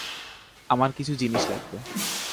আমার কিছু জিনিস লাগবে।